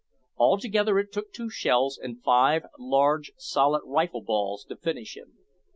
Altogether, it took two shells and five large solid rifle balls to finish him.